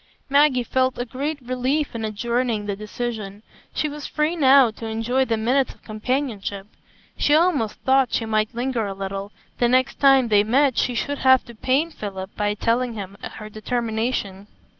Maggie felt a great relief in adjourning the decision. She was free now to enjoy the minutes of companionship; she almost thought she might linger a little; the next time they met she should have to pain Philip by telling him her determination.